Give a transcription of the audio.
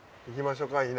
行きましょうか。